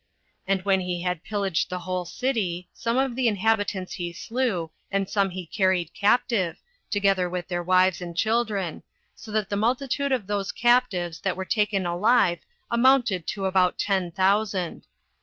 And when he had pillaged the whole city, some of the inhabitants he slew, and some he carried captive, together with their wives and children, so that the multitude of those captives that were taken alive amounted to about ten thousand.